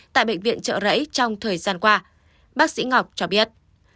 tại bệnh viện trợ rẫy trong thời gian qua bác sĩ ngọc cho biết